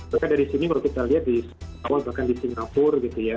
bahkan dari sini kalau kita lihat di singapura gitu ya